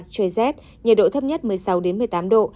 nhiệt độ thấp nhất một mươi sáu đến một mươi tám độ